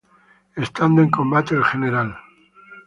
Estando en combate el Gral.